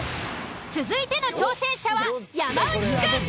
続いての挑戦者は山内くん。